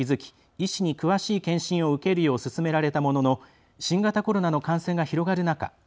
医師に詳しい検診を受けるよう勧められたものの新型コロナの感染が広がる中